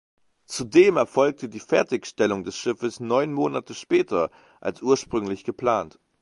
Zudem erfolgte die Fertigstellung des Schiffes neun Monate später als ursprünglich geplant.